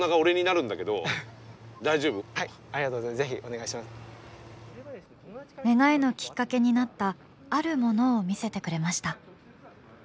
願いのきっかけになったあるものを見せてくれました。